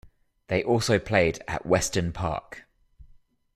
They also played at Western Park.